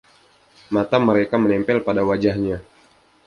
Mata mereka menempel pada wajahnya.